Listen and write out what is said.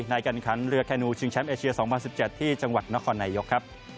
ในการขันเรือแคนูชิงแชมป์เอเชีย๒๐๑๗ที่จังหวัดนครนายกครับ